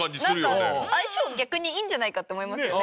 なんか相性逆にいいんじゃないかって思いますよね。